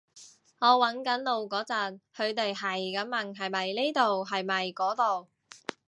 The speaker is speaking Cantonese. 我搵緊路嗰陣，佢哋喺咁問係咪呢度係咪嗰度